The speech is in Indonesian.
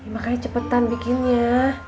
makanya cepetan bikinnya